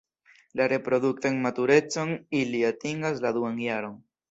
La reproduktan maturecon ili atingas la duan jaron.